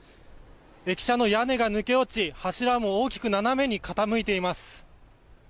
駅舎の屋根が抜け落ち柱も大きく斜めに傾いています。